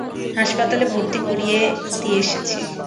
হাসপাতালে ভর্তি করিয়ে দিয়ে এসেছি।